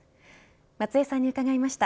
松江さんに伺いました。